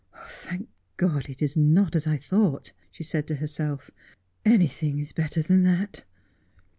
' Thank God it is not as I thought !' she said to herself ;' anything is better than that.'